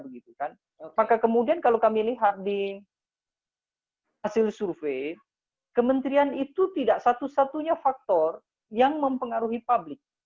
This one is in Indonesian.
maka kemudian kalau kami lihat di hasil survei kementerian itu tidak satu satunya faktor yang mempengaruhi publik